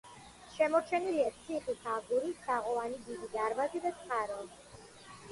შემორჩენილია ციხის აგურის თაღოვანი დიდი დარბაზი და წყარო.